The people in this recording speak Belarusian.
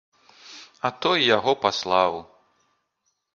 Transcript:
А той яго паслаў.